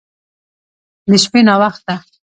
د شپې ناوخته